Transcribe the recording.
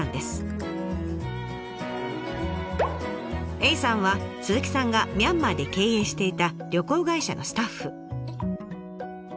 エイさんは鈴木さんがミャンマーで経営していた旅行会社のスタッフ。